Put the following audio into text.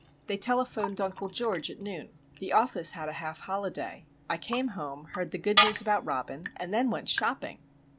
They telephoned Uncle George at noon. The office had a half holiday. I came home, heard the good news about Robin, and then went shopping!"